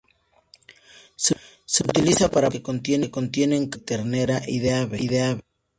Se utiliza para platos que contienen carne de ternera y de ave.